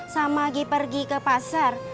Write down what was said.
sama lagi pergi ke pasar